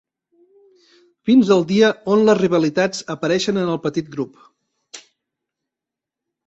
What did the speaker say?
Fins al dia on les rivalitats apareixen en el petit grup.